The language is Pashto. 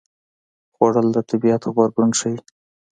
خوړل د طبیعت غبرګون ښيي